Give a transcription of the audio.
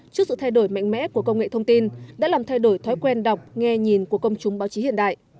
trước sự thay đổi mạnh mẽ của công nghệ thông tin đã làm thay đổi thói quen đọc nghe nhìn của công chúng báo chí hiện đại